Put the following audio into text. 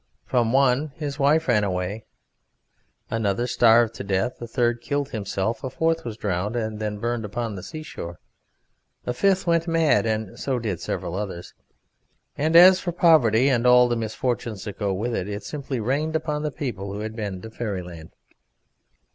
From one his wife ran away, another starved to death, a third killed himself, a fourth was drowned and then burned upon the seashore, a fifth went mad (and so did several others), and as for poverty, and all the misfortunes that go with it, it simply rained upon the people who had been to Fairyland."